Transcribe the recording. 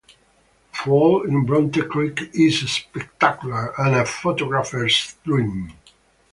Fall in Bronte Creek is spectacular and a photographer's dream.